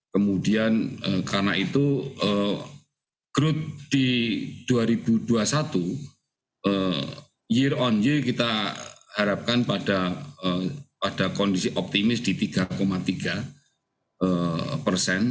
kemudian karena itu growth di dua ribu dua puluh satu year on ye kita harapkan pada kondisi optimis di tiga tiga persen